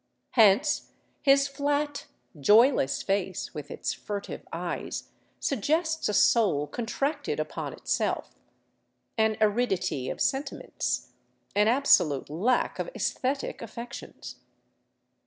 Hence his flat, joyless face with its furtive eyes suggests a soul contracted upon itself, an aridity of sentiments, an absolute lack of aesthetic affec tions.